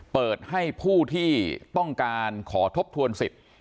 เปิดให้ผู้ที่ต้องการขอทบทวนสิทธิ์